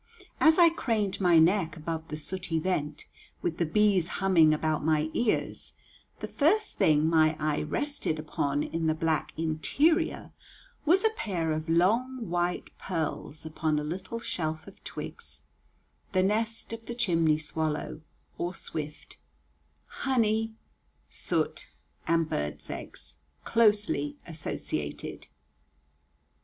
As I craned my neck above the sooty vent, with the bees humming about my ears, the first thing my eye rested upon in the black interior was a pair of long white pearls upon a little shelf of twigs, the nest of the chimney swallow, or swift, honey, soot, and birds' eggs closely associated.